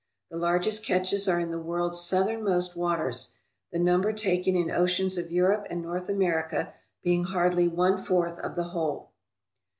The largest catches are in the world's southern most waters, the number taken in oceans of Europe and North America being hardly one fourth of the whole.